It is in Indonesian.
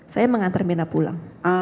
saya mengantar mirna pulang